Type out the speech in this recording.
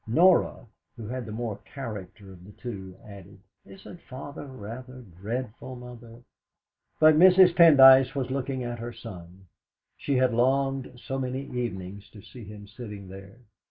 Norah, who had the more character of the two, added: "Isn't Father rather dreadful, Mother?" But Mrs. Pendyce was looking at her son. She had longed so many evenings to see him sitting there.